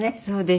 そう。